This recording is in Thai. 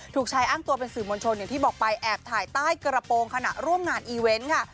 ถูกชายอ้างตัวเป็นสื่อมวลชนอย่างที่บอกไปแอบถ่ายใต้กระโปรงขณะร่วมงานอีเวนต์ค่ะ